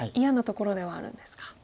嫌なところではあるんですか。